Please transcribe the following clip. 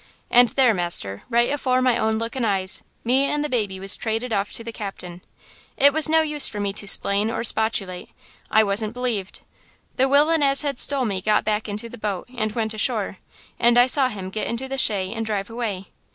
And there, master, right afore my own looking eyes, me and the baby was traded off to the captain! It was no use for me to 'splain or 'spostulate. I wasn't b'lieved. The willain as had stole me got back into the boat and went ashore, and I saw him get into the shay and drive away.